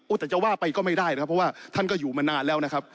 แต่จะว่าไปก็ไม่ได้นะครับเพราะว่าท่านก็อยู่มานานแล้วนะครับ